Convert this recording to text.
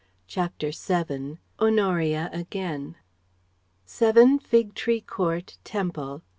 CHAPTER VII HONORIA AGAIN 7, Fig Tree Court, Temple.